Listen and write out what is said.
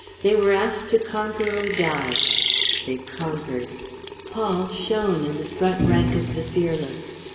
They were asked to conquer or die. They conquered. Paul shone in the front rank of the fearless.